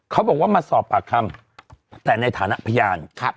เขาบอกว่ามาสอบปากคำแต่ในฐานะพยาน